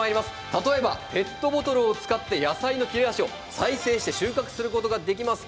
例えばペットボトルを使って野菜の切れ端を再生して収穫することができます。